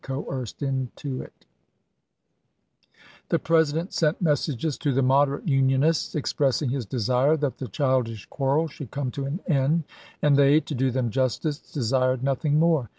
xvi. coerced into it. Nicoiayto Lincoln, The President sent messages to the moderate JJj* ^ Unionists expressing his desire that the childish quarrel should come to an end, and they, to do them justice, desired nothing more.